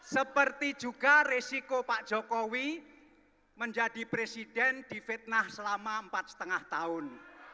seperti juga resiko pak jokowi menjadi presiden di fitnah selama empat lima tahun